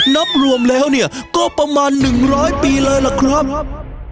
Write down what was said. นับรวมแล้วเนี่ยก็ประมาณ๑๐๐ปีเลยล่ะครับ